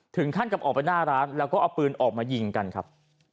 ถึงขั้นกลับออกไปหน้าร้านแล้วก็เอาปืนออกมายิงกันครับ